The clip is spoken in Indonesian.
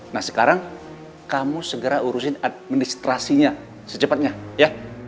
nah sekarang kamu segera urusin administrasinya secepatnya ya